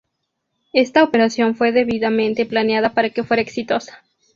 Esta operación fue debidamente planeada para que fuera exitosa.